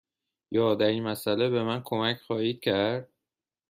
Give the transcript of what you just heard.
یا در این مسأله به من کمک خواهید کرد؟